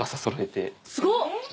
すごっ！